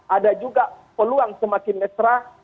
ada juga peluang semakin mesra